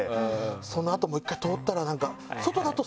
その後もう１回通ったら。